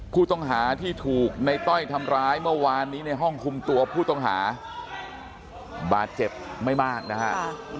ผู้ต้องหาที่ถูกในต้อยทำร้ายเมื่อวานนี้ในห้องคุมตัวผู้ต้องหาบาดเจ็บไม่มากนะฮะ